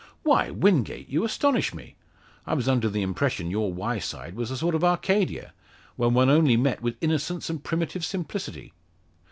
"Why, Wingate, you astonish me! I was under the impression your Wyeside was a sort of Arcadia, where one only met with innocence and primitive simplicity."